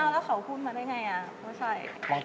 แล้วเขาพูดมาได้ยังไง